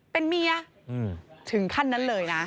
เป็นเมียถึงขั้นนั้นเลยนะ